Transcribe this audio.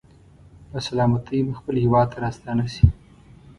په سلامتۍ به خپل هېواد ته راستانه شي.